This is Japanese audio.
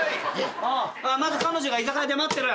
まず彼女が居酒屋で待ってる。